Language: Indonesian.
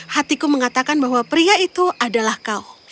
hatiku mengatakan bahwa pria itu adalah kau